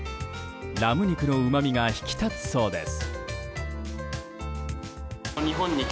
ラム肉のうまみが引き立つそうです。